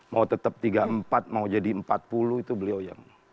mau tetap tiga puluh empat mau jadi empat puluh itu beliau yang